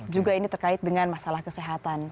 juga ini terkait dengan masalah kesehatan